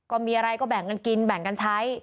ก็มีอะไรก็แบ่งกันกินแบ่งกันใช้